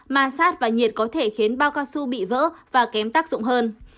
ma sát và nhiệt có thể khiến bao cao su bị vỡ và kém tác dụng hơn